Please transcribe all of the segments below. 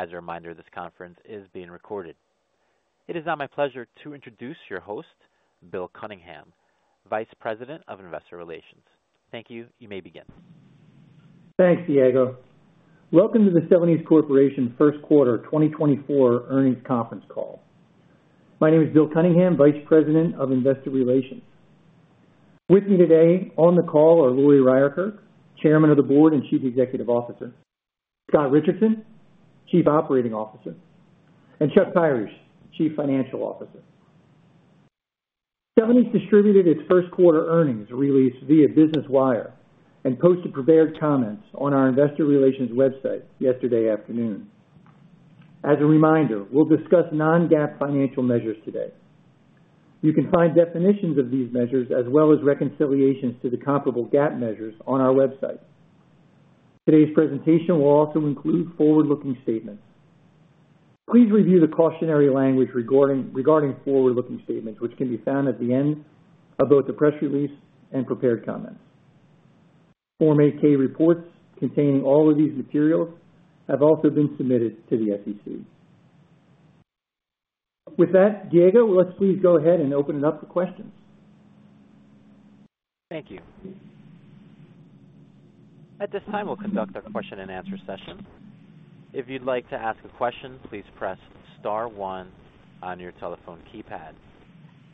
As a reminder, this conference is being recorded. It is now my pleasure to introduce your host, Bill Cunningham, Vice President of Investor Relations. Thank you. You may begin. Thanks, Diego. Welcome to the Celanese Corporation first quarter 2024 earnings conference call. My name is Bill Cunningham, Vice President of Investor Relations. With me today on the call are Lori Ryerkerk, Chairman of the Board and Chief Executive Officer, Scott Richardson, Chief Operating Officer, and Chuck Kyrish, Chief Financial Officer. Celanese distributed its first quarter earnings release via Business Wire and posted prepared comments on our investor relations website yesterday afternoon. As a reminder, we'll discuss non-GAAP financial measures today. You can find definitions of these measures, as well as reconciliations to the comparable GAAP measures on our website. Today's presentation will also include forward-looking statements. Please review the cautionary language regarding forward-looking statements, which can be found at the end of both the press release and prepared comments. Form 8-K reports containing all of these materials have also been submitted to the SEC. With that, Diego, let's please go ahead and open it up for questions. Thank you. At this time, we'll conduct our question-and-answer session. If you'd like to ask a question, please press star one on your telephone keypad.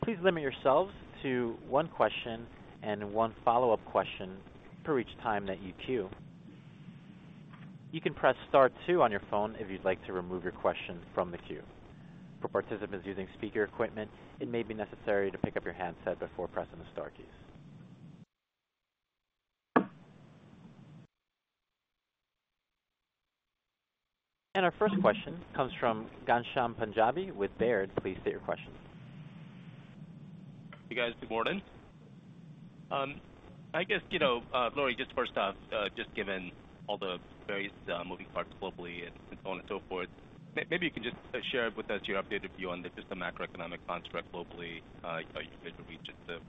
Please limit yourselves to one question and one follow-up question for each time that you queue. You can press star two on your phone if you'd like to remove your question from the queue. For participants using speaker equipment, it may be necessary to pick up your handset before pressing the star keys. Our first question comes from Ghansham Panjabi with Baird. Please state your question. Hey, guys. Good morning. I guess, you know, Lori, just first off, just given all the various, moving parts globally and so on and so forth, maybe you can just, share with us your updated view on just the macroeconomic construct globally, regions of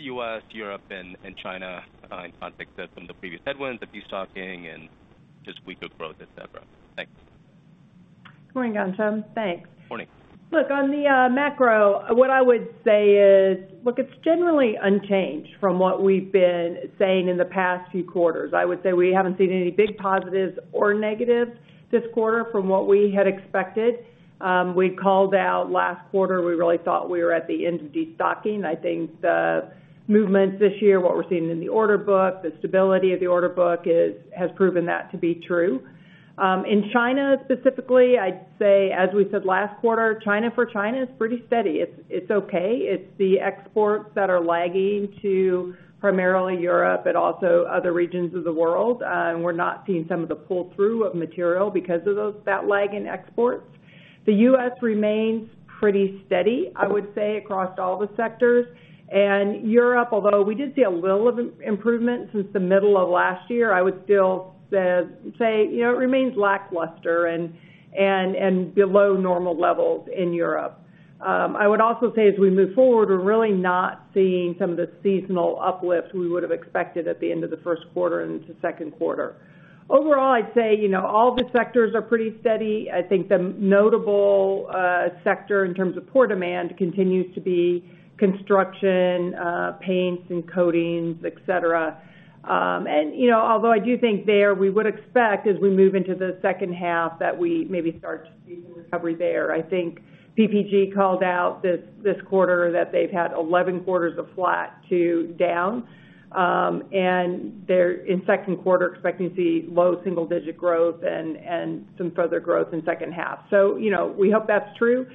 U.S., Europe, and China, in context from the previous headwinds, the destocking, and just weaker growth, et cetera. Thanks. Good morning, Ghansham. Thanks. Morning. Look, on the macro, what I would say is, look, it's generally unchanged from what we've been saying in the past few quarters. I would say we haven't seen any big positives or negatives this quarter from what we had expected. We called out last quarter, we really thought we were at the end of destocking. I think the movements this year, what we're seeing in the order book, the stability of the order book has proven that to be true. In China specifically, I'd say, as we said last quarter, China, for China, is pretty steady. It's, it's okay. It's the exports that are lagging to primarily Europe and also other regions of the world, and we're not seeing some of the pull-through of material because of that lag in exports. The U.S. remains pretty steady, I would say, across all the sectors. Europe, although we did see a little of improvement since the middle of last year, I would still say, you know, it remains lackluster and below normal levels in Europe. I would also say, as we move forward, we're really not seeing some of the seasonal uplifts we would have expected at the end of the first quarter into second quarter. Overall, I'd say, you know, all the sectors are pretty steady. I think the notable sector in terms of poor demand continues to be construction, paints and coatings, et cetera. And, you know, although I do think we would expect as we move into the second half, that we maybe start to see some recovery there. I think PPG called out this, this quarter that they've had 11 quarters of flat to down, and they're in second quarter, expecting to see low single-digit growth and some further growth in second half. So, you know, we hope that's true.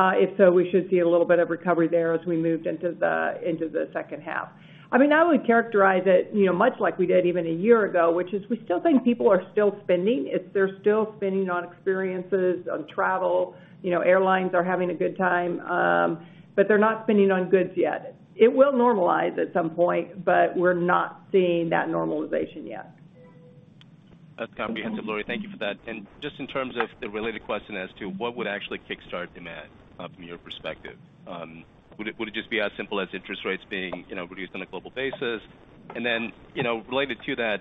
If so, we should see a little bit of recovery there as we moved into the second half. I mean, I would characterize it, you know, much like we did even a year ago, which is we still think people are still spending. It's they're still spending on experiences, on travel. You know, airlines are having a good time, but they're not spending on goods yet. It will normalize at some point, but we're not seeing that normalization yet. That's comprehensive, Lori. Thank you for that. Just in terms of the related question as to what would actually kickstart demand, from your perspective, would it, would it just be as simple as interest rates being, you know, reduced on a global basis? And then, you know, related to that,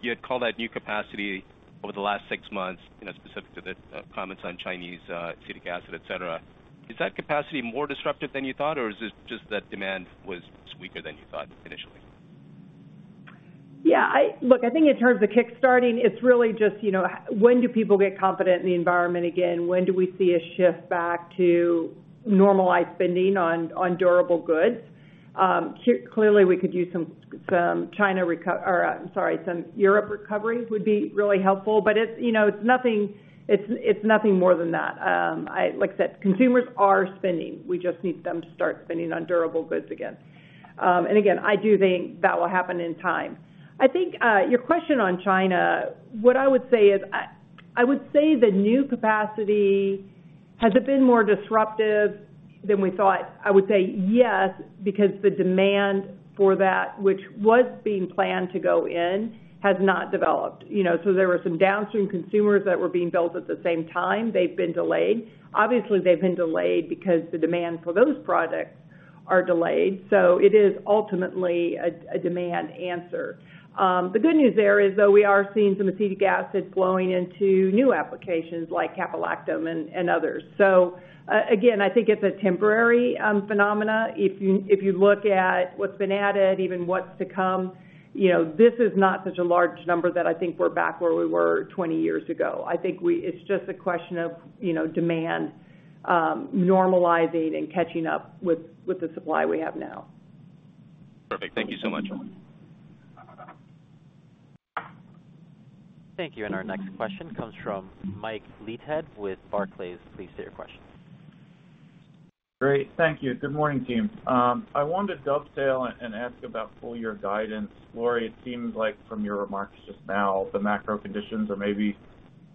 you had called out new capacity over the last six months, you know, specific to the, comments on Chinese, acetic acid, et cetera. Is that capacity more disruptive than you thought, or is it just that demand was weaker than you thought initially? Yeah, look, I think in terms of kickstarting, it's really just, you know, when do people get confident in the environment again? When do we see a shift back to normalized spending on durable goods? Clearly, we could use some Europe recovery would be really helpful, but it's, you know, it's nothing more than that. Like I said, consumers are spending. We just need them to start spending on durable goods again. And again, I do think that will happen in time. I think your question on China, what I would say is, I would say the new capacity, has it been more disruptive than we thought? I would say yes, because the demand for that, which was being planned to go in, has not developed. You know, so there were some downstream consumers that were being built at the same time. They've been delayed. Obviously, they've been delayed because the demand for those projects are delayed, so it is ultimately a demand answer. The good news there is, though, we are seeing some acetic acid flowing into new applications like caprolactam and others. So, again, I think it's a temporary phenomena. If you look at what's been added, even what's to come, you know, this is not such a large number that I think we're back where we were 20 years ago. I think it's just a question of, you know, demand normalizing and catching up with the supply we have now. Perfect. Thank you so much. Thank you, and our next question comes from Michael Leithead with Barclays. Please state your question. Great. Thank you. Good morning, team. I wanted to dovetail and ask about full year guidance. Lori, it seems like from your remarks just now, the macro conditions are maybe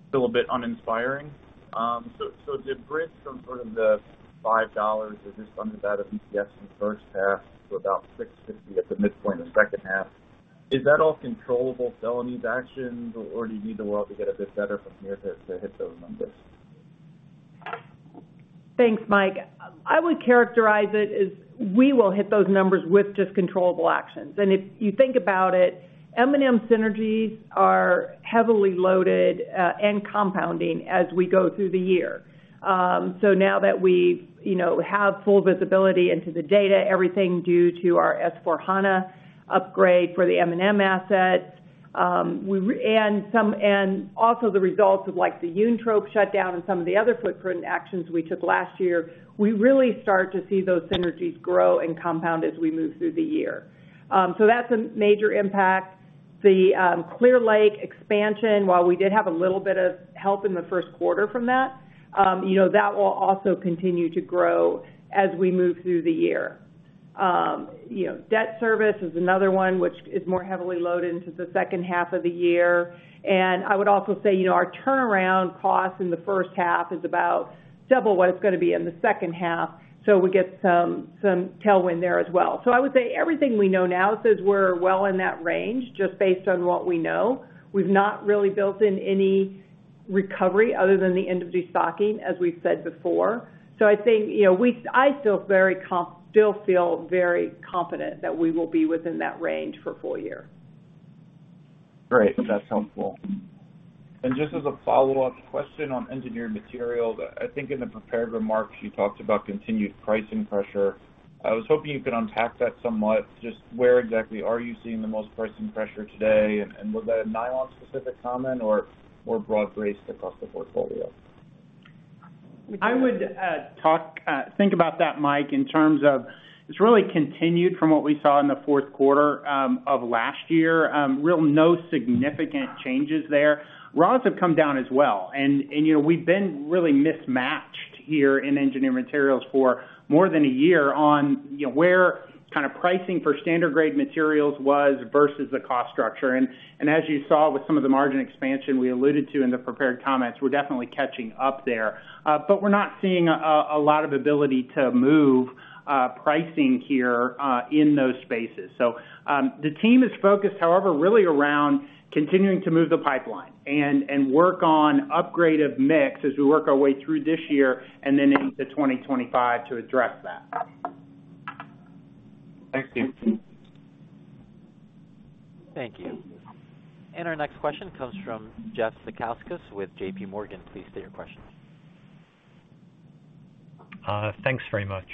still a bit uninspiring. So, the bridge from sort of the $5 or just under that of EPS in the first half to about $6.50 at the midpoint of the second half, is that all controllable selling actions, or do you need the world to get a bit better from here to hit those numbers? Thanks, Mike. I would characterize it as we will hit those numbers with just controllable actions. If you think about it, M&M synergies are heavily loaded and compounding as we go through the year. Now that we, you know, have full visibility into the data, everything due to our S/4HANA upgrade for the M&M asset, and also the results of, like, the Uentrop shutdown and some of the other footprint actions we took last year, we really start to see those synergies grow and compound as we move through the year. So that's a major impact. The Clear Lake expansion, while we did have a little bit of help in the first quarter from that, you know, that will also continue to grow as we move through the year. You know, debt service is another one which is more heavily loaded into the second half of the year. And I would also say, you know, our turnaround costs in the first half is about double what it's gonna be in the second half, so we get some tailwind there as well. So I would say everything we know now says we're well in that range, just based on what we know. We've not really built in any recovery other than the end of destocking, as we've said before. So I think, you know, we still feel very confident that we will be within that range for full year. Great. That's helpful. And just as a follow-up question on Engineered Materials, I think in the prepared remarks, you talked about continued pricing pressure. I was hoping you could unpack that somewhat. Just where exactly are you seeing the most pricing pressure today, and was that a nylon-specific comment or, or broad-based across the portfolio? I would think about that, Mike, in terms of it's really continued from what we saw in the fourth quarter of last year. No significant changes there. Raws have come down as well, and, and, you know, we've been really mismatched here in Engineered Materials for more than a year on, you know, where kind of pricing for standard grade materials was versus the cost structure. And, and as you saw with some of the margin expansion we alluded to in the prepared comments, we're definitely catching up there. But we're not seeing a lot of ability to move pricing here in those spaces. So, the team is focused, however, really around continuing to move the pipeline and work on upgrade of mix as we work our way through this year and then into 2025 to address that. Thank you. Thank you. And our next question comes from Jeffrey Zekauskas with J.P. Morgan. Please state your question. Thanks very much.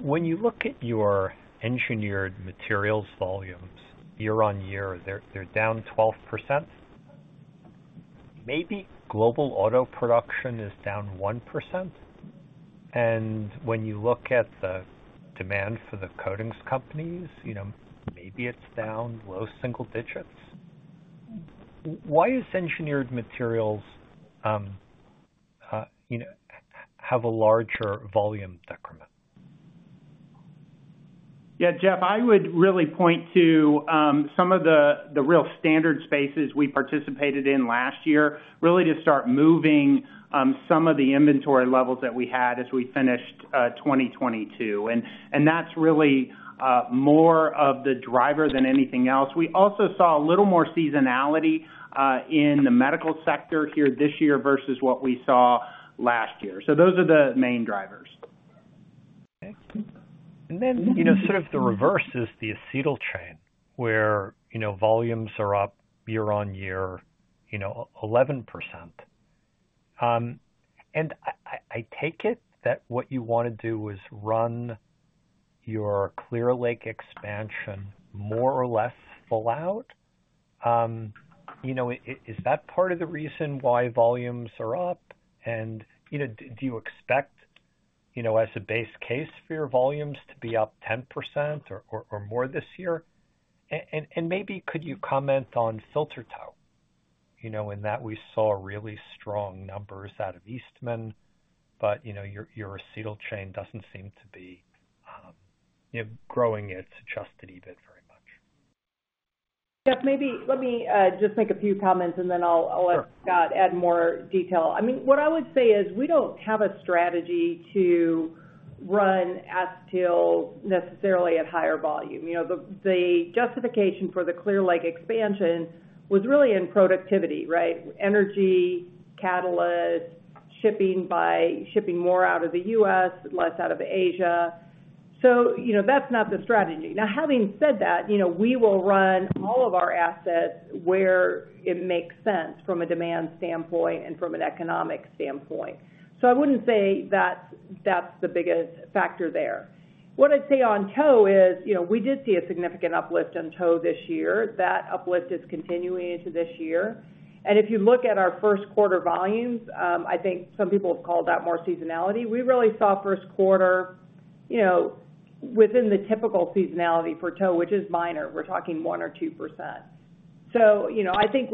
When you look at your Engineered Materials volumes year-on-year, they're down 12%. Maybe global auto production is down 1%, and when you look at the demand for the coatings companies, you know, maybe it's down low single digits. Why is Engineered Materials, you know, have a larger volume decrement? Yeah, Jeff, I would really point to some of the real standard spaces we participated in last year, really to start moving some of the inventory levels that we had as we finished 2022. And that's really more of the driver than anything else. We also saw a little more seasonality in the medical sector here this year versus what we saw last year. So those are the main drivers. Okay. And then, you know, sort of the reverse is the Acetyl Chain, where, you know, volumes are up year-over-year, you know, 11%. And I take it that what you want to do is run your Clear Lake expansion more or less full out. You know, is that part of the reason why volumes are up? And, you know, do you expect, you know, as a base case for your volumes to be up 10% or, or, or more this year? And, and, and maybe could you comment on filter tow? You know, in that we saw really strong numbers out of Eastman, but, you know, your Acetyl Chain doesn't seem to be, you know, growing its adjusted EBITDA very much. Jeff, maybe let me just make a few comments, and then I'll- Sure. I'll let Scott add more detail. I mean, what I would say is, we don't have a strategy to run acetyl-... necessarily at higher volume. You know, the justification for the Clear Lake expansion was really in productivity, right? Energy, catalyst, shipping by shipping more out of the U.S., less out of Asia. So, you know, that's not the strategy. Now, having said that, you know, we will run all of our assets where it makes sense from a demand standpoint and from an economic standpoint. So I wouldn't say that's the biggest factor there. What I'd say on tow is, you know, we did see a significant uplift in tow this year. That uplift is continuing into this year. And if you look at our first quarter volumes, I think some people have called that more seasonality. We really saw first quarter, you know, within the typical seasonality for tow, which is minor. We're talking 1% or 2%. So, you know, I think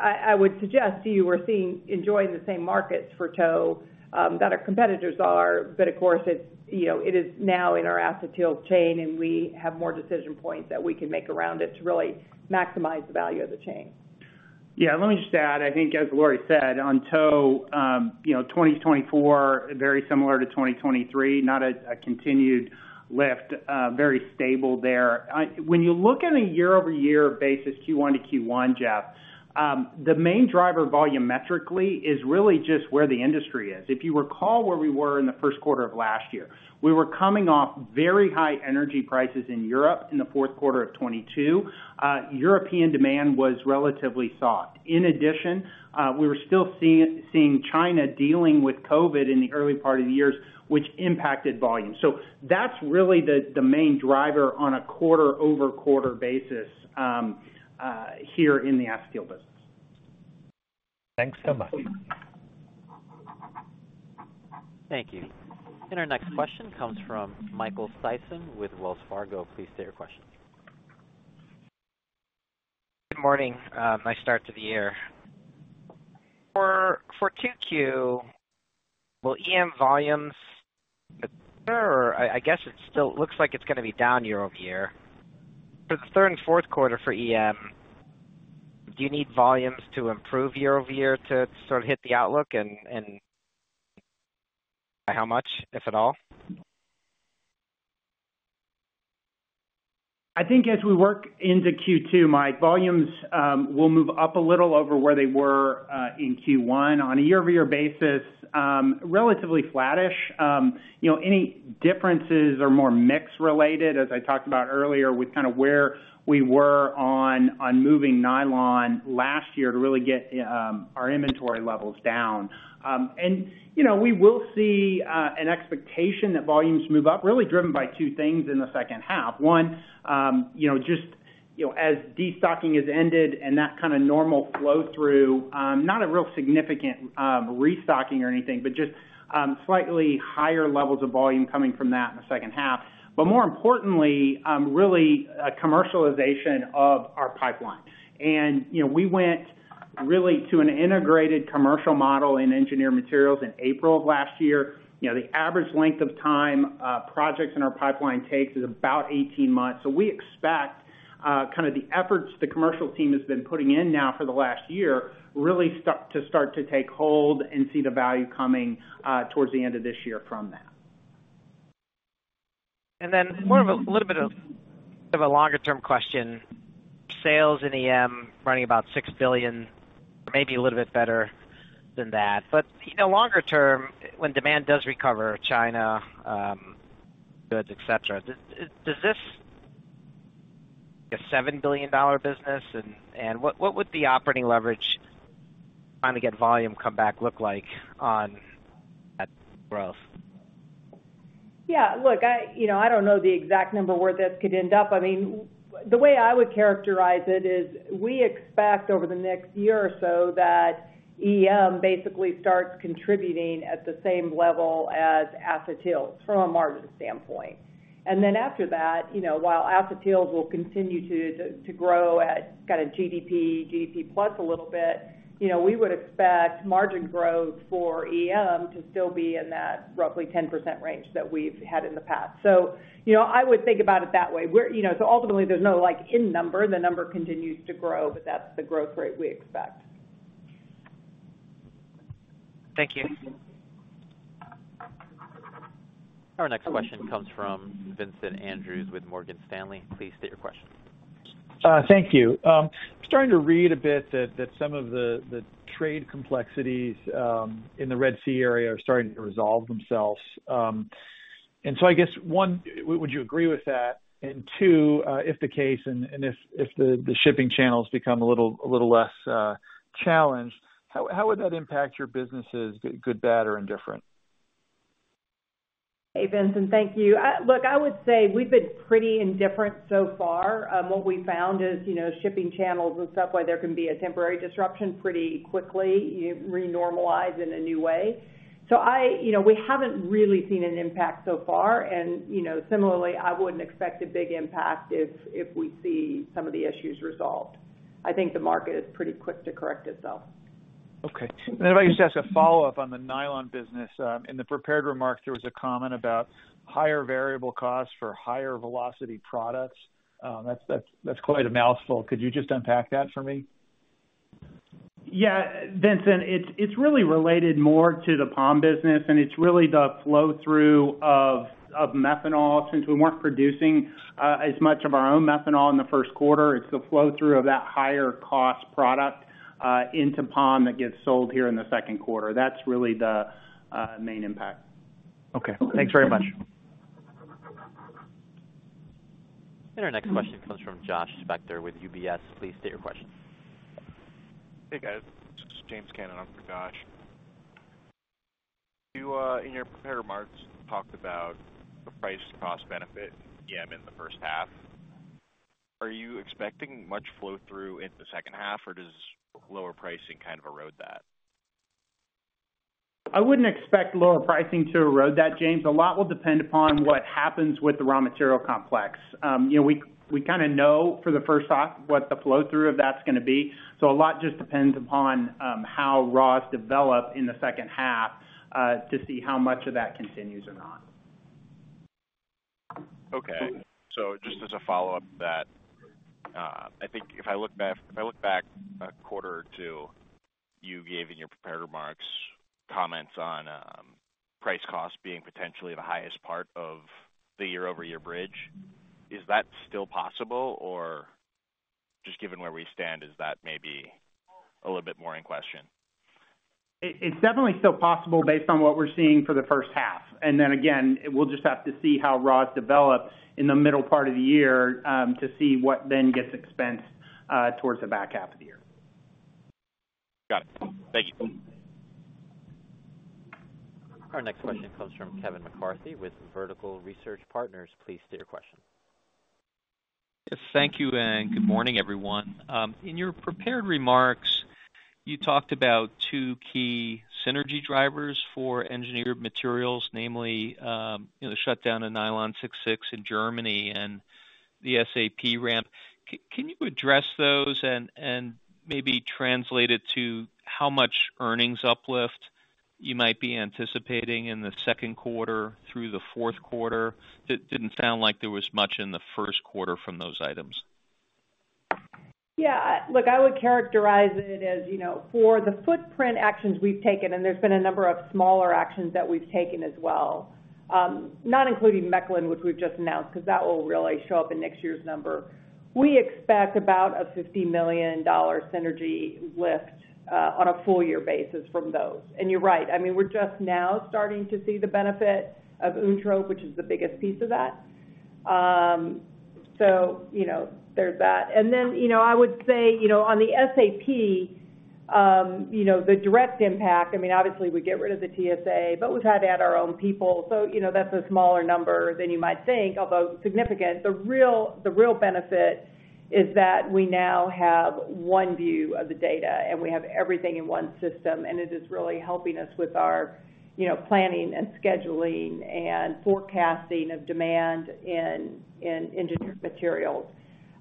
I would suggest to you, we're enjoying the same markets for tow that our competitors are. But of course, it's, you know, it is now in our Acetyl Chain, and we have more decision points that we can make around it to really maximize the value of the chain. Yeah, let me just add. I think, as Laurie said, on tow, you know, 2024, very similar to 2023, not a continued lift, very stable there. When you look at a year-over-year basis, Q1 to Q1, Jeff, the main driver volumetrically is really just where the industry is. If you recall where we were in the first quarter of last year, we were coming off very high energy prices in Europe in the fourth quarter of 2022. European demand was relatively soft. In addition, we were still seeing China dealing with COVID in the early part of the years, which impacted volume. So that's really the main driver on a quarter-over-quarter basis, here in the Acetyl business. Thanks so much. Thank you. And our next question comes from Michael Sison with Wells Fargo. Please state your question. Good morning. Nice start to the year. For QQ, will EM volumes, I guess it still looks like it's gonna be down year-over-year. For the third and fourth quarter for EM, do you need volumes to improve year-over-year to sort of hit the outlook and by how much, if at all? I think as we work into Q2, Mike, volumes will move up a little over where they were in Q1. On a year-over-year basis, relatively flattish. You know, any differences are more mix related, as I talked about earlier, with kind of where we were on moving nylon last year to really get our inventory levels down. And, you know, we will see an expectation that volumes move up, really driven by two things in the second half. One, you know, just, you know, as destocking has ended and that kind of normal flow-through, not a real significant restocking or anything, but just slightly higher levels of volume coming from that in the second half. But more importantly, really a commercialization of our pipeline. You know, we went really to an integrated commercial model in Engineered Materials in April of last year. You know, the average length of time projects in our pipeline takes is about 18 months. We expect kind of the efforts the commercial team has been putting in now for the last year really to start to take hold and see the value coming towards the end of this year from that. Then a little bit of a longer-term question. Sales in EM running about $6 billion, maybe a little bit better than that. But, you know, longer term, when demand does recover, Chinese goods, et cetera, does this become a $7 billion business? And what would the operating leverage from the volume comeback look like on that growth? Yeah, look, I, you know, I don't know the exact number where this could end up. I mean, the way I would characterize it is, we expect over the next year or so that EM basically starts contributing at the same level as Acetyls from a margin standpoint. And then after that, you know, while Acetyls will continue to grow at kind of GDP plus a little bit, you know, we would expect margin growth for EM to still be in that roughly 10% range that we've had in the past. So, you know, I would think about it that way. We're, you know, so ultimately, there's no, like, end number. The number continues to grow, but that's the growth rate we expect. Thank you. Our next question comes from Vincent Andrews with Morgan Stanley. Please state your question. Thank you. I'm starting to read a bit that some of the trade complexities in the Red Sea area are starting to resolve themselves. And so I guess, one, would you agree with that? And two, if the case and if the shipping channels become a little less challenged, how would that impact your businesses, good, bad, or indifferent? Hey, Vincent, thank you. Look, I would say we've been pretty indifferent so far. What we found is, you know, shipping channels and stuff, where there can be a temporary disruption pretty quickly, you renormalize in a new way. So you know, we haven't really seen an impact so far, and, you know, similarly, I wouldn't expect a big impact if we see some of the issues resolved. I think the market is pretty quick to correct itself. Okay. And then if I could just ask a follow-up on the nylon business. In the prepared remarks, there was a comment about higher variable costs for higher velocity products. That's quite a mouthful. Could you just unpack that for me? Yeah, Vincent, it's really related more to the POM business, and it's really the flow-through of methanol. Since we weren't producing as much of our own methanol in the first quarter, it's the flow-through of that higher cost product into POM that gets sold here in the second quarter. That's really the main impact. Okay. Thanks very much. Our next question comes from Josh Spector with UBS. Please state your question. Hey, guys. This is James Cannon in for Josh. You, in your prepared remarks, talked about the price-cost benefit from in the first half. Are you expecting much flow-through into the second half, or does lower pricing kind of erode that? I wouldn't expect lower pricing to erode that, James. A lot will depend upon what happens with the raw material complex. You know, we kinda know for the first half what the flow-through of that's gonna be, so a lot just depends upon how raws develop in the second half to see how much of that continues or not. Okay. So just as a follow-up to that, I think if I look back a quarter or two, you gave in your prepared remarks, comments on price cost being potentially the highest part of the year-over-year bridge. Is that still possible, or just given where we stand, is that maybe a little bit more in question? It's definitely still possible based on what we're seeing for the first half. Then again, we'll just have to see how raws develop in the middle part of the year, to see what then gets expensed towards the back half of the year. Got it. Thank you. Our next question comes from Kevin McCarthy with Vertical Research Partners. Please state your question. Thank you, and good morning, everyone. In your prepared remarks, you talked about two key synergy drivers for Engineered Materials, namely, you know, the shutdown of Nylon 66 in Germany and the SAP ramp. Can you address those and maybe translate it to how much earnings uplift you might be anticipating in the second quarter through the fourth quarter? It didn't sound like there was much in the first quarter from those items. Yeah, look, I would characterize it as, you know, for the footprint actions we've taken, and there's been a number of smaller actions that we've taken as well, not including Mechelen, which we've just announced, because that will really show up in next year's number. We expect about a $50 million synergy lift, on a full year basis from those. And you're right, I mean, we're just now starting to see the benefit of Uentrop, which is the biggest piece of that. So you know, there's that. And then, you know, I would say, you know, on the SAP, the direct impact, I mean, obviously, we get rid of the TSA, but we've had to add our own people, so you know, that's a smaller number than you might think, although significant. The real, the real benefit is that we now have one view of the data, and we have everything in one system, and it is really helping us with our, you know, planning and scheduling and forecasting of demand in Engineered Materials.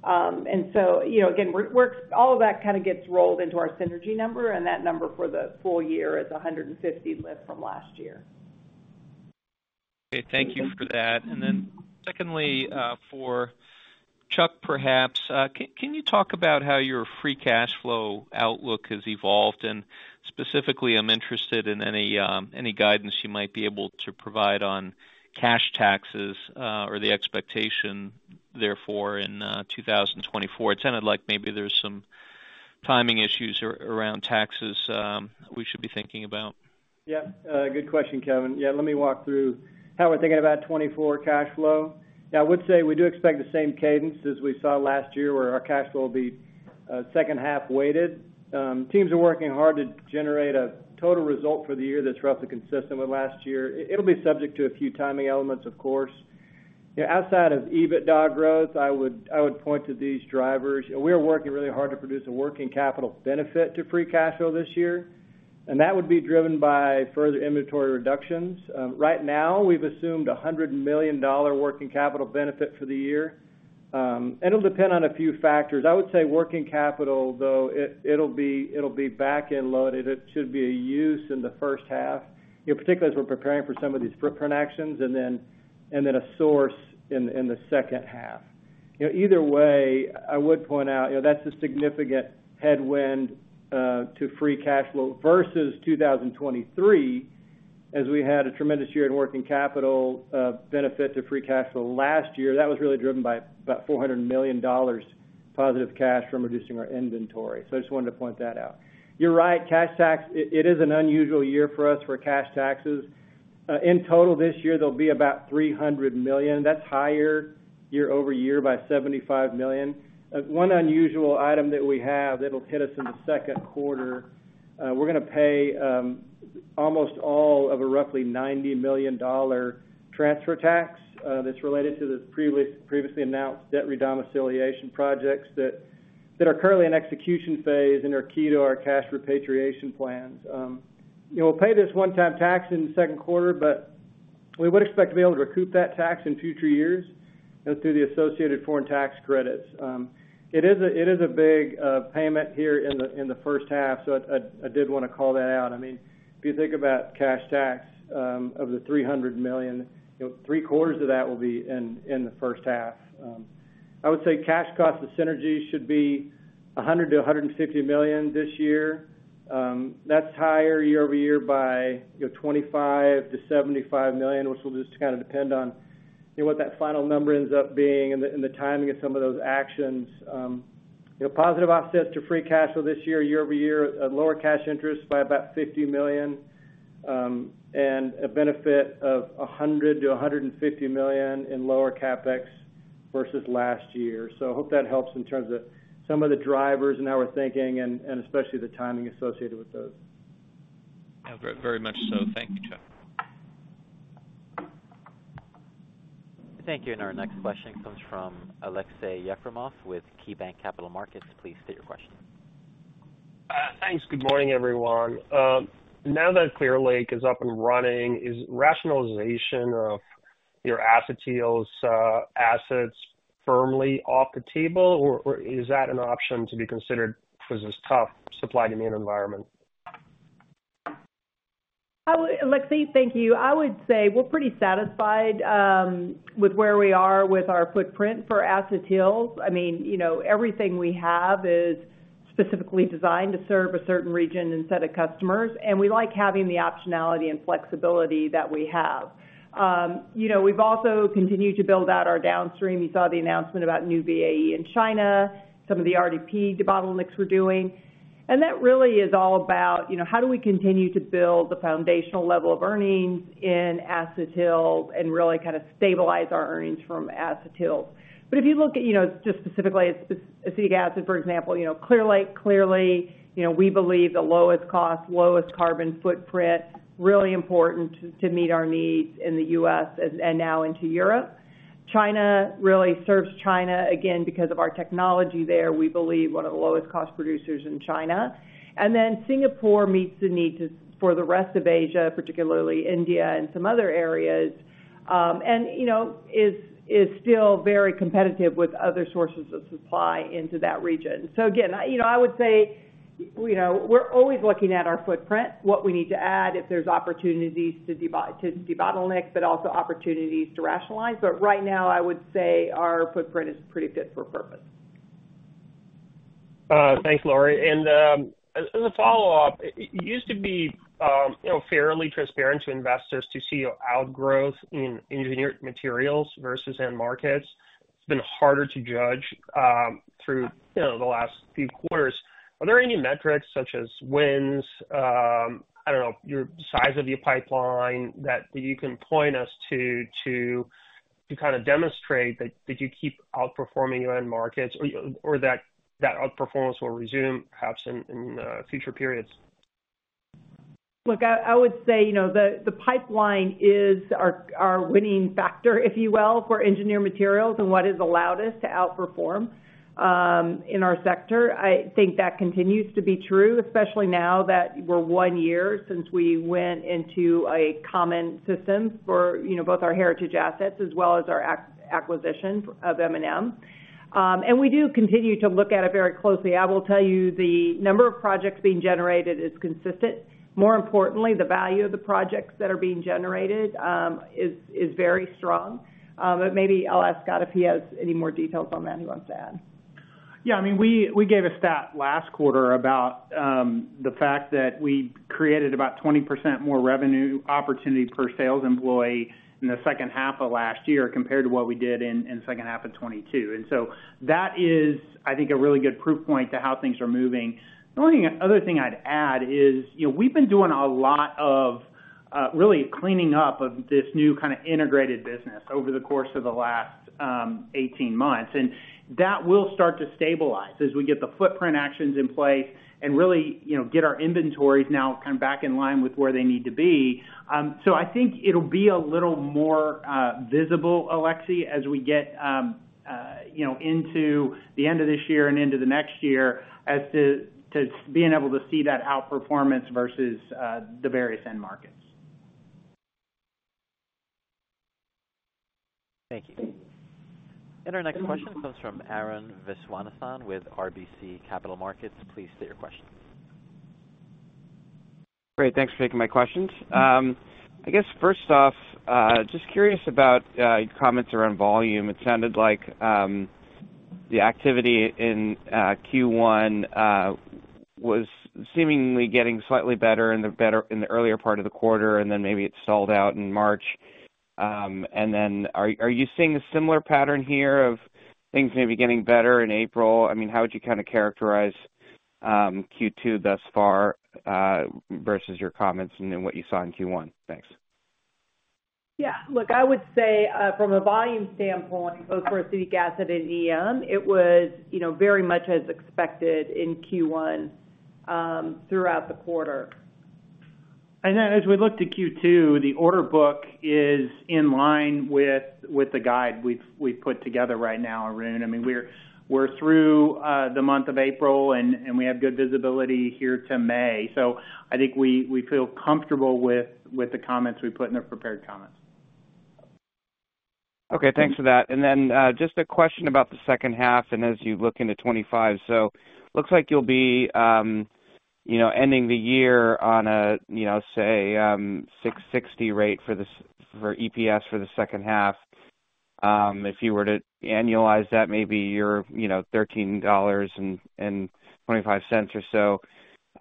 And so, you know, again, we're all of that kinda gets rolled into our synergy number, and that number for the full year is 150 lift from last year. Okay, thank you for that. And then secondly, for Chuck, perhaps, can you talk about how your free cash flow outlook has evolved? And specifically, I'm interested in any, any guidance you might be able to provide on cash taxes, or the expectation, therefore, in 2024. It sounded like maybe there's some timing issues around taxes, we should be thinking about. Yeah, good question, Kevin. Yeah, let me walk through how we're thinking about 2024 cash flow. Yeah, I would say we do expect the same cadence as we saw last year, where our cash flow will be second half weighted. Teams are working hard to generate a total result for the year that's roughly consistent with last year. It'll be subject to a few timing elements, of course. You know, outside of EBITDA growth, I would point to these drivers. We are working really hard to produce a working capital benefit to free cash flow this year, and that would be driven by further inventory reductions. Right now, we've assumed a $100 million working capital benefit for the year. It'll depend on a few factors. I would say working capital, though, it'll be back-end loaded. It should be a use in the first half, you know, particularly as we're preparing for some of these footprint actions, and then, and then a source in, in the second half. You know, either way, I would point out, you know, that's a significant headwind to free cash flow versus 2023, as we had a tremendous year in working capital benefit to free cash flow last year. That was really driven by about $400 million positive cash from reducing our inventory, so I just wanted to point that out. You're right, cash tax, it, it is an unusual year for us for cash taxes. In total this year, there'll be about $300 million. That's higher year over year by $75 million. One unusual item that we have that'll hit us in the second quarter, we're gonna pay almost all of a roughly $90 million transfer tax, that's related to the previously announced debt redomiciliation projects that are currently in execution phase and are key to our cash repatriation plans. We'll pay this one-time tax in the second quarter, but we would expect to be able to recoup that tax in future years through the associated foreign tax credits. It is a big payment here in the first half, so I did wanna call that out. I mean, if you think about cash tax of the $300 million, you know, three-quarters of that will be in the first half. I would say cash cost of synergy should be $100 million-$150 million this year. That's higher year-over-year by, you know, $25 million-$75 million, which will just kind of depend on, you know, what that final number ends up being and the, and the timing of some of those actions. You know, positive offset to free cash flow this year, year-over-year, a lower cash interest by about $50 million, and a benefit of $100 million-$150 million in lower CapEx versus last year. So I hope that helps in terms of some of the drivers and how we're thinking, and, and especially the timing associated with those. Yeah, very much so. Thank you, Chuck. Thank you. Our next question comes from Aleksey Yefremov with KeyBanc Capital Markets. Please state your question. Thanks. Good morning, everyone. Now that Clear Lake is up and running, is rationalization of your Acetyls assets firmly off the table, or is that an option to be considered for this tough supply-demand environment? I would, Aleksey, thank you. I would say we're pretty satisfied with where we are with our footprint for Acetyls. I mean, you know, everything we have is specifically designed to serve a certain region and set of customers, and we like having the optionality and flexibility that we have. You know, we've also continued to build out our downstream. You saw the announcement about new VAE in China, some of the RDP debottlenecks we're doing. And that really is all about, you know, how do we continue to build the foundational level of earnings in Acetyls and really kind of stabilize our earnings from Acetyls? But if you look at, you know, just specifically, acetic acid, for example, you know, Clear Lake, clearly, you know, we believe the lowest cost, lowest carbon footprint, really important to meet our needs in the U.S. and now into Europe. China really serves China, again, because of our technology there, we believe one of the lowest cost producers in China. And then Singapore meets the need for the rest of Asia, particularly India and some other areas, and, you know, is still very competitive with other sources of supply into that region. So again, you know, I would say, you know, we're always looking at our footprint, what we need to add, if there's opportunities to debottleneck, but also opportunities to rationalize. But right now, I would say our footprint is pretty fit for purpose. Thanks, Lori. And, as a follow-up, it used to be, you know, fairly transparent to investors to see your outgrowth in Engineered Materials versus end markets. It's been harder to judge through, you know, the last few quarters. Are there any metrics, such as wins, I don't know, your size of your pipeline, that you can point us to, to kind of demonstrate that you keep outperforming your end markets or that outperformance will resume, perhaps in future periods? Look, I would say, you know, the pipeline is our winning factor, if you will, for Engineered Materials and what has allowed us to outperform in our sector. I think that continues to be true, especially now that we're one year since we went into a common system for, you know, both our heritage assets as well as our acquisition of M&M. We do continue to look at it very closely. I will tell you, the number of projects being generated is consistent. More importantly, the value of the projects that are being generated is very strong. But maybe I'll ask Scott if he has any more details on that he wants to add. Yeah, I mean, we gave a stat last quarter about the fact that we created about 20% more revenue opportunity per sales employee in the second half of last year compared to what we did in the second half of 2022. So that is, I think, a really good proof point to how things are moving. The only other thing I'd add is, you know, we've been doing a lot of really cleaning up of this new kind of integrated business over the course of the last 18 months, and that will start to stabilize as we get the footprint actions in place and really, you know, get our inventories now kind of back in line with where they need to be. So I think it'll be a little more visible, Aleksey, as we get, you know, into the end of this year and into the next year as to, to being able to see that outperformance versus the various end markets. Thank you. Our next question comes from Arun Viswanathan with RBC Capital Markets. Please state your question. Great, thanks for taking my questions. I guess first off, just curious about your comments around volume. It sounded like the activity in Q1 was seemingly getting slightly better in the earlier part of the quarter, and then maybe it sold out in March. And then are you seeing a similar pattern here of things maybe getting better in April? I mean, how would you kind of characterize Q2 thus far versus your comments and then what you saw in Q1? Thanks. Yeah, look, I would say from a volume standpoint, both for acetic acid and EM, it was, you know, very much as expected in Q1 throughout the quarter. And then as we look to Q2, the order book is in line with the guide we've put together right now, Arun. I mean, we're through the month of April, and we have good visibility here to May. So I think we feel comfortable with the comments we put in the prepared comments. Okay, thanks for that. And then, just a question about the second half and as you look into 2025. So looks like you'll be, you know, ending the year on a, you know, say, $6.60 rate for EPS for the second half, if you were to annualize that, maybe you're, you know, $13.25 or so.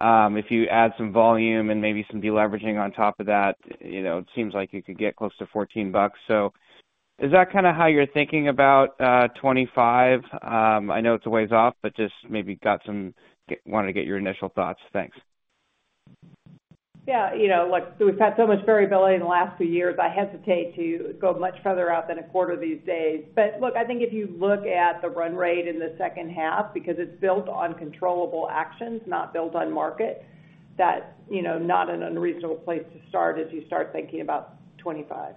If you add some volume and maybe some deleveraging on top of that, you know, it seems like you could get close to $14. So is that kind of how you're thinking about 2025? I know it's a ways off, but just wanted to get your initial thoughts. Thanks. Yeah, you know, look, we've had so much variability in the last few years. I hesitate to go much further out than a quarter these days. But look, I think if you look at the run rate in the second half, because it's built on controllable actions, not built on market, that, you know, not an unreasonable place to start as you start thinking about 2025.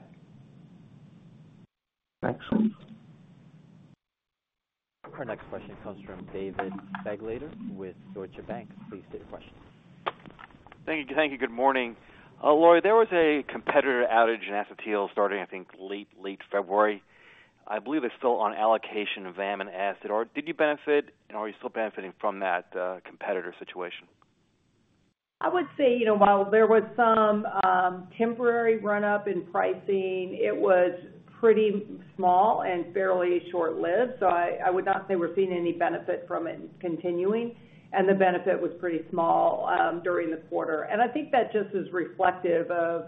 Excellent. Our next question comes from David Begleiter with Deutsche Bank. Please state your question. Thank you. Thank you, good morning. Lori, there was a competitor outage in acetyl starting, I think, late, late February. I believe it's still on allocation of VAM and acid. Or did you benefit, and are you still benefiting from that, competitor situation? I would say, you know, while there was some temporary run-up in pricing, it was pretty small and fairly short-lived. So I, I would not say we're seeing any benefit from it continuing, and the benefit was pretty small during the quarter. And I think that just is reflective of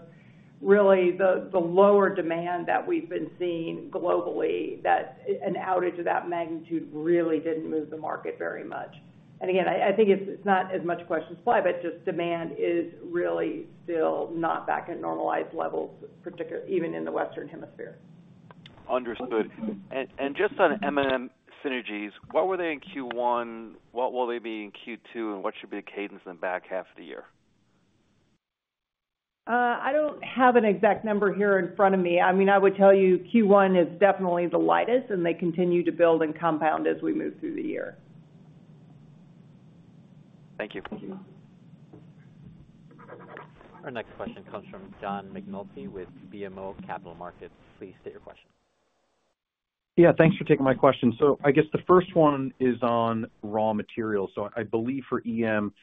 really the lower demand that we've been seeing globally, that an outage of that magnitude really didn't move the market very much. And again, I, I think it's not as much question supply, but just demand is really still not back at normalized levels, particularly even in the Western Hemisphere. Understood. And just on M&M synergies, what were they in Q1? What will they be in Q2, and what should be the cadence in the back half of the year? I don't have an exact number here in front of me. I mean, I would tell you Q1 is definitely the lightest, and they continue to build and compound as we move through the year. Thank you. Our next question comes from John McNulty with BMO Capital Markets. Please state your question. Yeah, thanks for taking my question. So I guess the first one is on raw materials. So I believe for EM,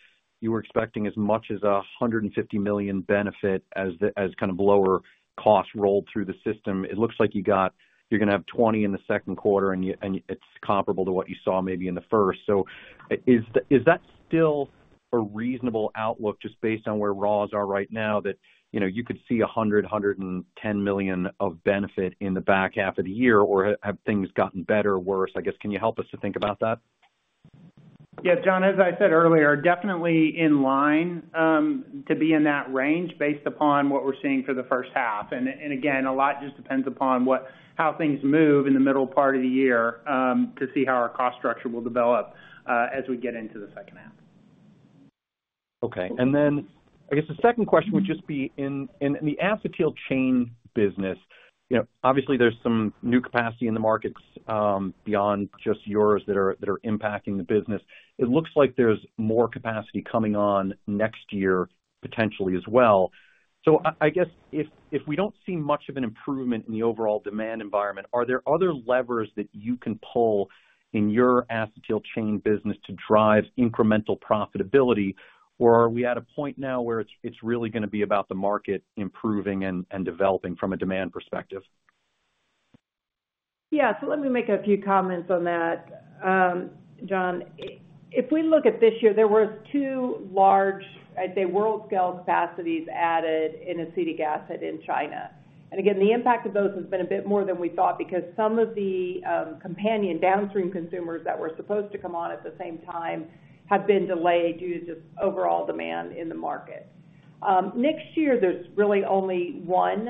you were expecting as much as a $150 million benefit as the, as kind of lower costs rolled through the system. It looks like you got—you're gonna have $20 million in the second quarter, and you, and it's comparable to what you saw maybe in the first. So is, is that still a reasonable outlook, just based on where raws are right now, that, you know, you could see a $100 million, $110 million benefit in the back half of the year, or have things gotten better or worse? I guess, can you help us to think about that? Yeah, John, as I said earlier, definitely in line to be in that range based upon what we're seeing for the first half. And again, a lot just depends upon how things move in the middle part of the year to see how our cost structure will develop as we get into the second half. Okay. And then, I guess the second question would just be in the Acetyl Chain business, you know, obviously, there's some new capacity in the markets beyond just yours that are impacting the business. It looks like there's more capacity coming on next year, potentially as well. So I guess, if we don't see much of an improvement in the overall demand environment, are there other levers that you can pull in your Acetyl Chain business to drive incremental profitability? Or are we at a point now where it's really gonna be about the market improving and developing from a demand perspective? Yeah, so let me make a few comments on that, John. If we look at this year, there was two large, I'd say, world-scale capacities added in acetic acid in China. And again, the impact of those has been a bit more than we thought because some of the companion downstream consumers that were supposed to come on at the same time have been delayed due to just overall demand in the market. Next year, there's really only one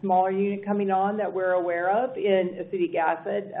smaller unit coming on that we're aware of in acetic acid,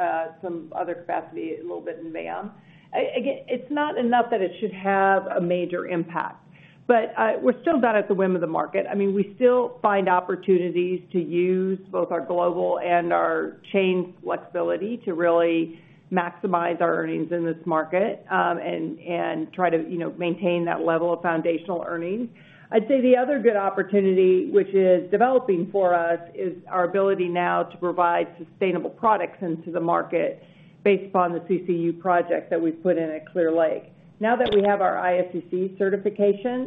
some other capacity, a little bit in VAM. Again, it's not enough that it should have a major impact, but, we're still not at the whim of the market. I mean, we still find opportunities to use both our global and our chain flexibility to really maximize our earnings in this market, and try to, you know, maintain that level of foundational earnings. I'd say the other good opportunity, which is developing for us, is our ability now to provide sustainable products into the market based upon the CCU project that we've put in at Clear Lake. Now that we have our ISCC certification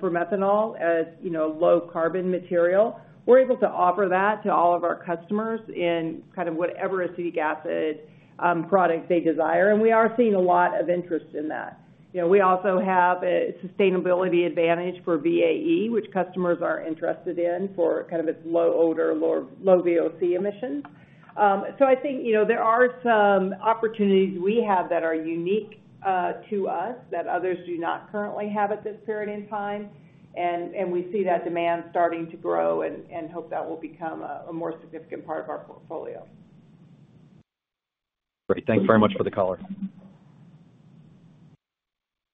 for methanol as, you know, low carbon material, we're able to offer that to all of our customers in kind of whatever acetic acid product they desire, and we are seeing a lot of interest in that. You know, we also have a sustainability advantage for VAE, which customers are interested in for kind of its low odor, low VOC emissions. So I think, you know, there are some opportunities we have that are unique to us, that others do not currently have at this period in time. We see that demand starting to grow and hope that will become a more significant part of our portfolio. Great. Thank you very much for the color.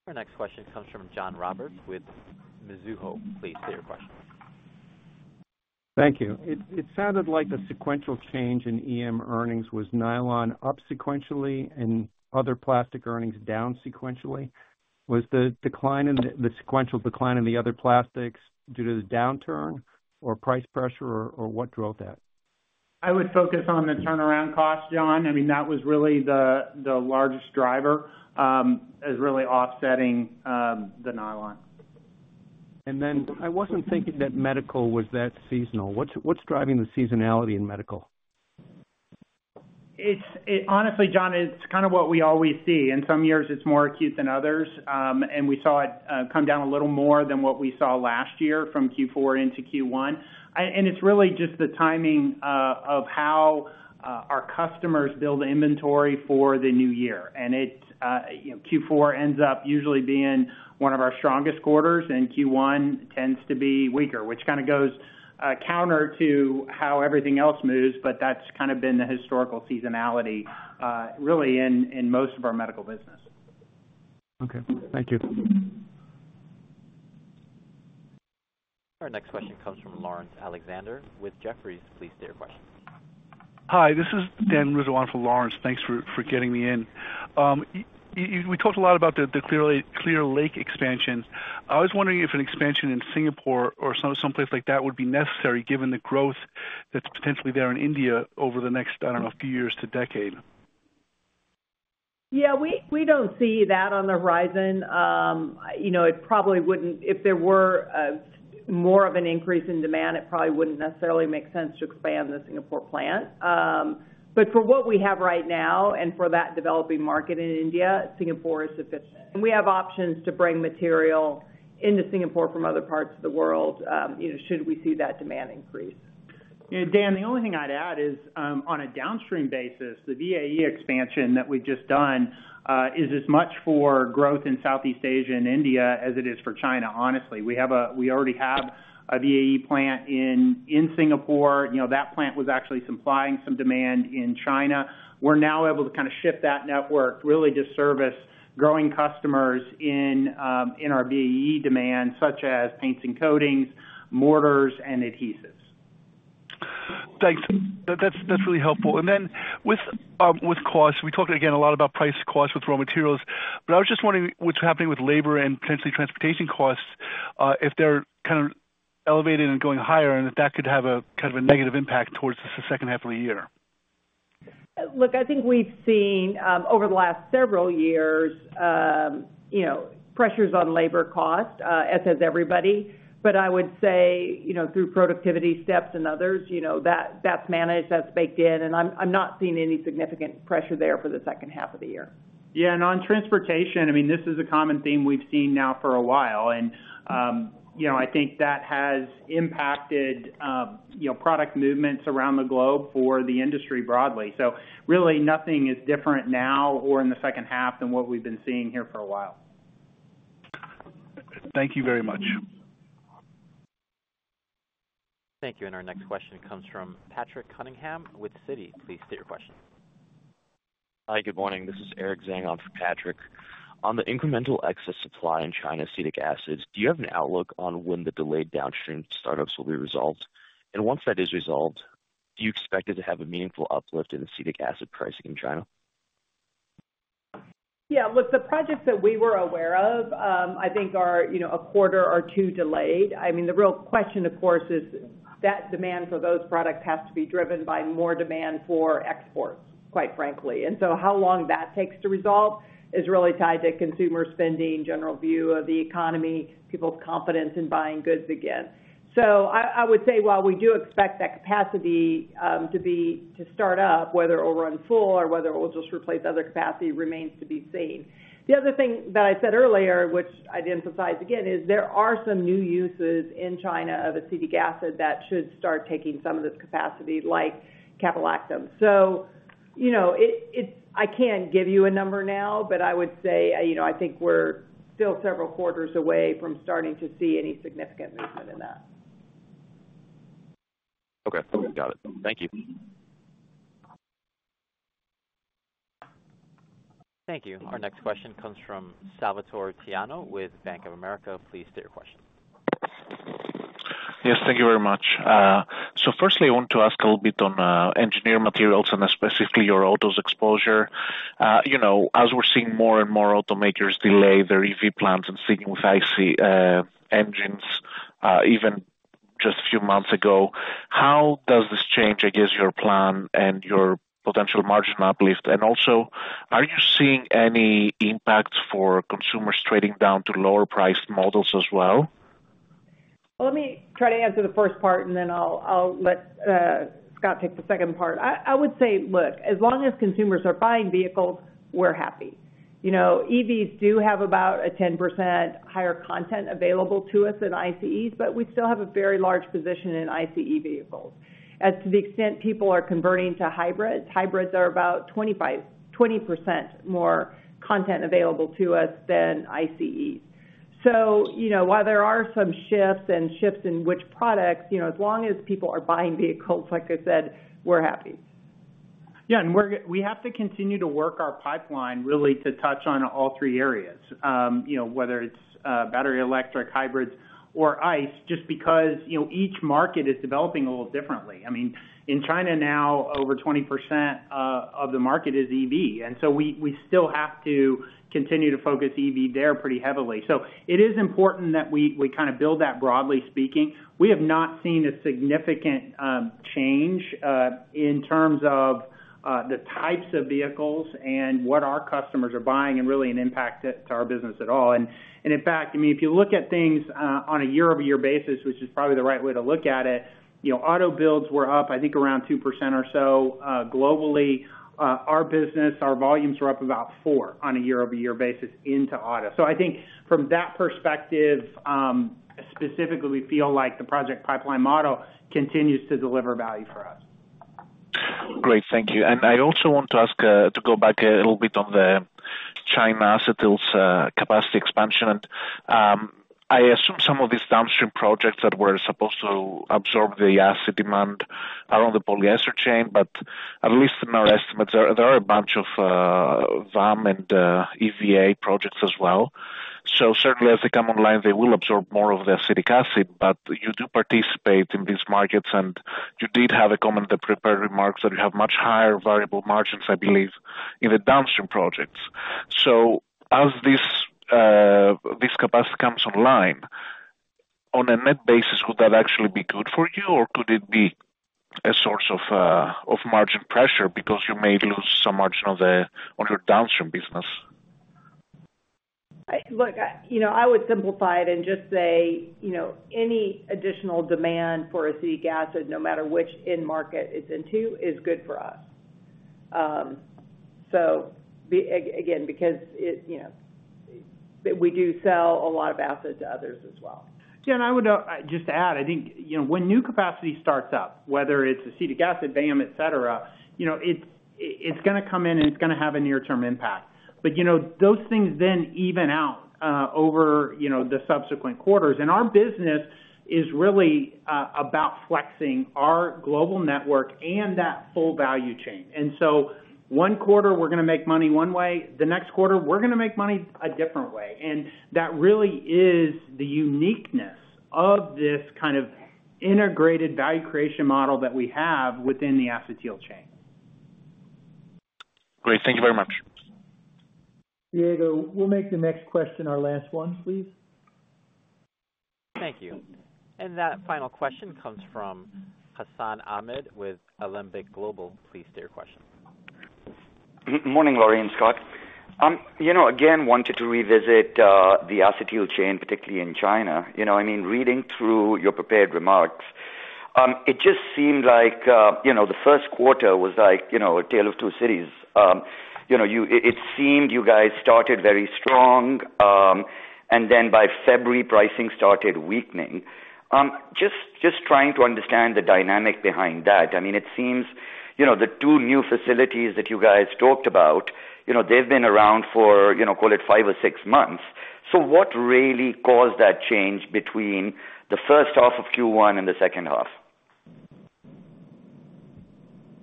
Our next question comes from John Roberts with Mizuho. Please state your question. Thank you. It sounded like the sequential change in EM earnings was nylon up sequentially and other plastic earnings down sequentially. Was the sequential decline in the other plastics due to the downturn or price pressure, or what drove that? I would focus on the turnaround cost, John. I mean, that was really the largest driver is really offsetting the nylon. I wasn't thinking that medical was that seasonal. What's driving the seasonality in medical? It's honestly, John, it's kind of what we always see. In some years, it's more acute than others, and we saw it come down a little more than what we saw last year from Q4 into Q1. And it's really just the timing of how our customers build inventory for the new year. And it's, you know, Q4 ends up usually being one of our strongest quarters, and Q1 tends to be weaker, which kind of goes counter to how everything else moves, but that's kind of been the historical seasonality really in most of our medical business. Okay, thank you. Our next question comes from Laurence Alexander with Jefferies. Please state your question. Hi, this is Dan Rijswijk for Laurence. Thanks for getting me in. We talked a lot about the Clear Lake expansion. I was wondering if an expansion in Singapore or someplace like that would be necessary, given the growth that's potentially there in India over the next, I don't know, few years to decade. Yeah, we don't see that on the horizon. You know, it probably wouldn't, if there were more of an increase in demand, it probably wouldn't necessarily make sense to expand the Singapore plant. But for what we have right now, and for that developing market in India, Singapore is sufficient. And we have options to bring material into Singapore from other parts of the world, you know, should we see that demand increase. Yeah, Dan, the only thing I'd add is, on a downstream basis, the VAE expansion that we've just done is as much for growth in Southeast Asia and India as it is for China, honestly. We already have a VAE plant in Singapore. You know, that plant was actually supplying some demand in China. We're now able to kind of shift that network really to service growing customers in our VAE demand, such as paints and coatings, mortars and adhesives. Thanks. That's really helpful. And then with costs, we talked again a lot about price costs with raw materials, but I was just wondering what's happening with labor and potentially transportation costs, if they're kind of elevated and going higher, and if that could have a kind of a negative impact towards the second half of the year. Look, I think we've seen over the last several years, you know, pressures on labor costs, as has everybody. But I would say, you know, through productivity steps and others, you know, that's managed, that's baked in, and I'm not seeing any significant pressure there for the second half of the year. Yeah, and on transportation, I mean, this is a common theme we've seen now for a while, and, you know, I think that has impacted, you know, product movements around the globe for the industry broadly. So really, nothing is different now or in the second half than what we've been seeing here for a while. Thank you very much. Thank you, and our next question comes from Patrick Cunningham with Citi. Please state your question. Hi, good morning. This is Eric Zhang on for Patrick. On the incremental excess supply in China acetic acid, do you have an outlook on when the delayed downstream startups will be resolved? And once that is resolved, do you expect it to have a meaningful uplift in acetic acid pricing in China? Yeah, look, the projects that we were aware of, I think are, you know, a quarter or two delayed. I mean, the real question, of course, is that demand for those products has to be driven by more demand for exports, quite frankly. And so how long that takes to resolve is really tied to consumer spending, general view of the economy, people's confidence in buying goods again. So I, I would say, while we do expect that capacity to start up, whether it will run full or whether it will just replace other capacity, remains to be seen. The other thing that I said earlier, which I'd emphasize again, is there are some new uses in China of acetic acid that should start taking some of this capacity, like caprolactam. So, you know, I can't give you a number now, but I would say, you know, I think we're still several quarters away from starting to see any significant movement in that. Okay, got it. Thank you. Thank you. Our next question comes from Salvatore Tiano with Bank of America. Please state your question. Yes, thank you very much. So firstly, I want to ask a little bit on engineering materials and specifically your autos exposure. You know, as we're seeing more and more automakers delay their EV plans and sticking with IC engines, even just a few months ago, how does this change, I guess, your plan and your potential margin uplift? And also, are you seeing any impact for consumers trading down to lower priced models as well? Let me try to answer the first part, and then I'll let Scott take the second part. I would say, look, as long as consumers are buying vehicles, we're happy. You know, EVs do have about a 10% higher content available to us than ICE, but we still have a very large position in ICE vehicles. As to the extent people are converting to hybrids, hybrids are about 25%--20% more content available to us than ICE. So, you know, while there are some shifts and shifts in which products, you know, as long as people are buying vehicles, like I said, we're happy. Yeah, and we're—we have to continue to work our pipeline really to touch on all three areas. You know, whether it's battery electric, hybrids, or ICE, just because, you know, each market is developing a little differently. I mean, in China now, over 20% of the market is EV, and so we still have to continue to focus EV there pretty heavily. So it is important that we kind of build that, broadly speaking. We have not seen a significant change in terms of the types of vehicles and what our customers are buying and really an impact to our business at all. In fact, I mean, if you look at things on a year-over-year basis, which is probably the right way to look at it, you know, auto builds were up, I think, around 2% or so. Globally, our business, our volumes were up about 4% on a year-over-year basis into auto. So I think from that perspective, specifically, we feel like the project pipeline model continues to deliver value for us. Great. Thank you. And I also want to ask, to go back a little bit on the China acetyls, capacity expansion. I assume some of these downstream projects that were supposed to absorb the acid demand are on the polyester chain, but at least in our estimates, there are a bunch of VAM and EVA projects as well. So certainly, as they come online, they will absorb more of the acetic acid, but you do participate in these markets, and you did have a comment, in the prepared remarks, that you have much higher variable margins, I believe, in the downstream projects. So as this capacity comes online, on a net basis, would that actually be good for you, or could it be a source of margin pressure because you may lose some margin on your downstream business? Look, you know, I would simplify it and just say, you know, any additional demand for acetic acid, no matter which end market it's into, is good for us. So again, because it, you know, we do sell a lot of acid to others as well. Tiano, I would just add, I think, you know, when new capacity starts up, whether it's acetic acid, VAM, et cetera, you know, it's gonna come in, and it's gonna have a near-term impact. But, you know, those things then even out over, you know, the subsequent quarters. And our business is really about flexing our global network and that full value chain. And so one quarter, we're gonna make money one way, the next quarter, we're gonna make money a different way. And that really is the uniqueness of this kind of integrated value creation model that we have within the Acetyl Chain. Great. Thank you very much. Diego, we'll make the next question our last one, please. Thank you. And that final question comes from Hassan Ahmed with Alembic Global. Please state your question. Morning, Lori and Scott. You know, again, wanted to revisit the Acetyl Chain, particularly in China. You know, I mean, reading through your prepared remarks, it just seemed like, you know, the first quarter was like, you know, a tale of two cities. You know, it seemed you guys started very strong, and then by February, pricing started weakening. Just trying to understand the dynamic behind that. I mean, it seems, you know, the two new facilities that you guys talked about, you know, they've been around for, you know, call it five or six months. So what really caused that change between the first half of Q1 and the second half?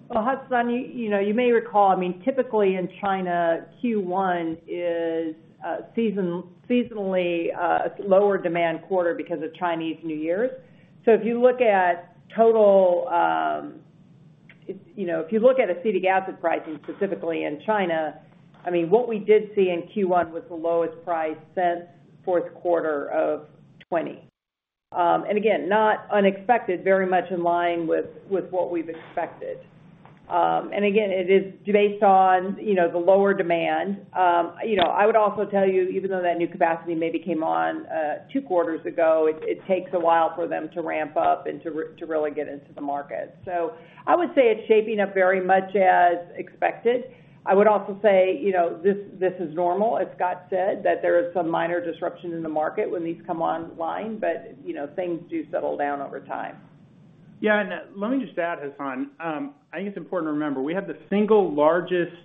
Well, Hassan, you know, you may recall, I mean, typically in China, Q1 is a seasonally lower demand quarter because of Chinese New Year. So if you look at total. You know, if you look at acetic acid pricing, specifically in China, I mean, what we did see in Q1 was the lowest price since fourth quarter of 2020. And again, not unexpected, very much in line with what we've expected. And again, it is based on, you know, the lower demand. You know, I would also tell you, even though that new capacity maybe came on two quarters ago, it takes a while for them to ramp up and to really get into the market. So I would say it's shaping up very much as expected. I would also say, you know, this is normal, as Scott said, that there is some minor disruption in the market when these come online, but, you know, things do settle down over time. Yeah, and, let me just add, Hassan, I think it's important to remember, we have the single largest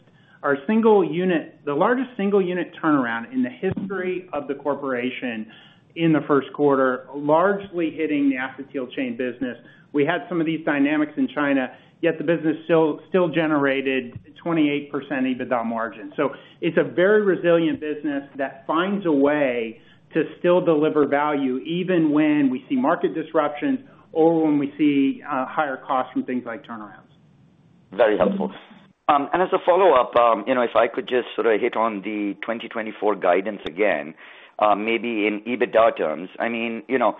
or single unit-- the largest single unit turnaround in the history of the corporation in the first quarter, largely hitting the Acetyl Chain business. We had some of these dynamics in China, yet the business still, still generated 28% EBITDA margin. So it's a very resilient business that finds a way to still deliver value, even when we see market disruptions or when we see higher costs from things like turnarounds. Very helpful. And as a follow-up, you know, if I could just sort of hit on the 2024 guidance again, maybe in EBITDA terms. I mean, you know,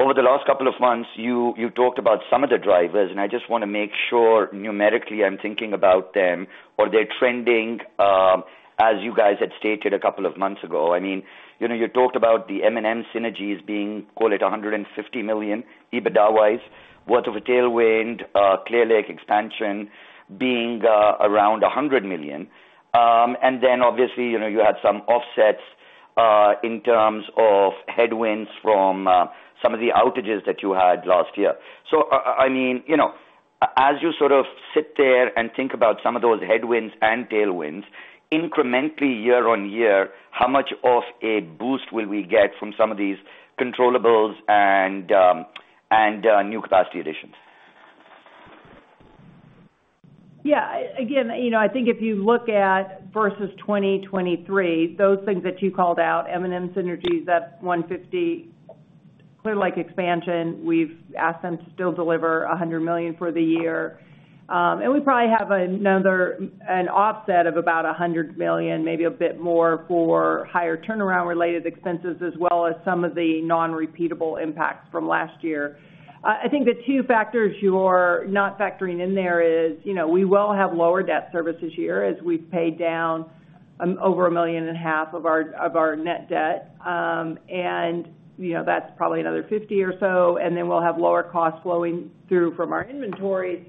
over the last couple of months, you talked about some of the drivers, and I just wanna make sure, numerically, I'm thinking about them or they're trending, as you guys had stated a couple of months ago. I mean, you know, you talked about the M&M synergies being, call it, $150 million, EBITDA-wise worth of a tailwind, Clear Lake expansion being around $100 million. And then obviously, you know, you had some offsets, in terms of headwinds from, some of the outages that you had last year. I mean, you know, as you sort of sit there and think about some of those headwinds and tailwinds, incrementally year on year, how much of a boost will we get from some of these controllables and new capacity additions? Yeah, again, you know, I think if you look at versus 2023, those things that you called out, M&M synergies, that's $150 million. Clear Lake expansion, we've asked them to still deliver $100 million for the year. And we probably have another, an offset of about $100 million, maybe a bit more, for higher turnaround-related expenses, as well as some of the non-repeatable impacts from last year. I think the two factors you're not factoring in there is, you know, we will have lower debt service this year, as we've paid down over $1.5 billion of our net debt. You know, that's probably another 50 or so, and then we'll have lower costs flowing through from our inventories,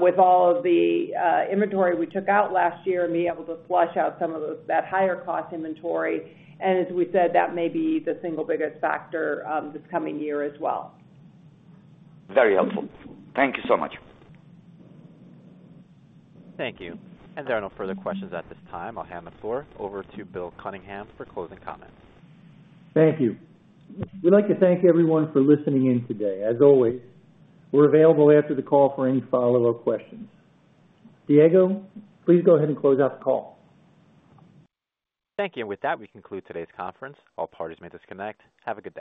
with all of the inventory we took out last year and being able to flush out some of those, that higher cost inventory. And as we said, that may be the single biggest factor, this coming year as well. Very helpful. Thank you so much. Thank you. There are no further questions at this time. I'll hand the floor over to Bill Cunningham for closing comments. Thank you. We'd like to thank everyone for listening in today. As always, we're available after the call for any follow-up questions. Diego, please go ahead and close out the call. Thank you. With that, we conclude today's conference. All parties may disconnect. Have a good day.